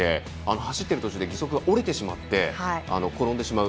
走っている途中で義足が折れてしまって転んでしまう。